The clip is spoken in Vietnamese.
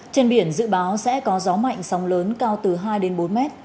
trên biển dự báo sẽ có gió mạnh sóng lớn cao từ hai đến bốn mét